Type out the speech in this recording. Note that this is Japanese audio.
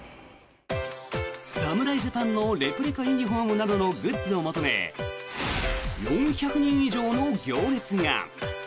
侍ジャパンのレプリカユニホームなどのグッズを求め４００人以上の行列が。